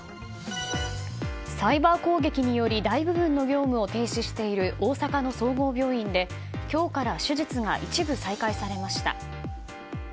サイバー攻撃により大部分の業務を停止している大阪の総合病院で今日から手術が一部再開されました。